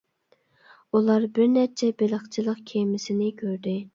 ئۇلار بىر نەچچە بېلىقچىلىق كېمىسىنى كۆردى.